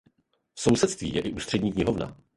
V sousedství je i ústřední knihovna.